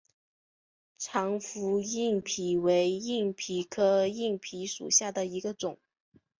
长蝠硬蜱为硬蜱科硬蜱属下的一个种。